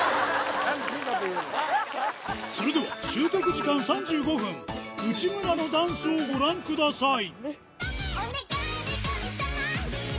それでは、習得時間３５分、内村のダンスをご覧ください。